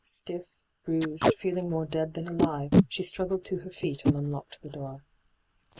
Stiff, bruised, feeling more dead than alive, she struggled to her feet and unlocked the door.